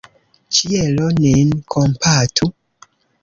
Ĉielo nin kompatu!